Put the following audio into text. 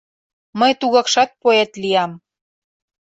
Мый тугакшат поэт лиям.